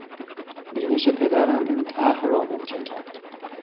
بینش پدرم این طرح را ممکن کرد.